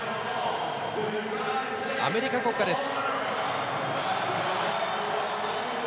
アメリカ国歌です。